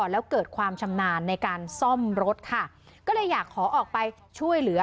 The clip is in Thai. แล้วเกิดความชำนาญในการซ่อมรถค่ะก็เลยอยากขอออกไปช่วยเหลือ